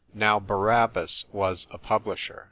"NOW DARAIiBAS WAS A PUBLISHER.